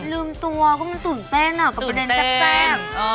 ลืมตัวก็มันตื่นเต้นอะกระเป๋าแบบแบบแซ่งตื่นเต้น